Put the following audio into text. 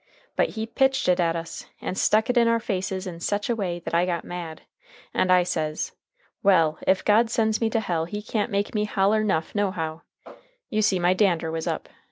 But he pitched it at us, and stuck it in our faces in sech a way that I got mad. And I says, Well, ef God sends me to hell he can't make me holler 'nough nohow. You see my dander was up.